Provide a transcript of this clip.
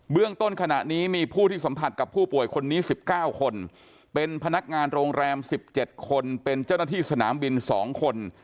ต้นขณะนี้มีผู้ที่สัมผัสกับผู้ป่วยคนนี้๑๙คนเป็นพนักงานโรงแรม๑๗คนเป็นเจ้าหน้าที่สนามบิน๒คน